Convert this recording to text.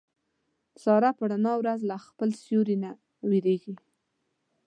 ساره په رڼا ورځ له خپل سیوري نه وېرېږي.